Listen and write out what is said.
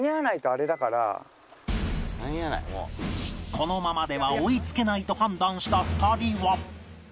このままでは追いつけないと判断した２人は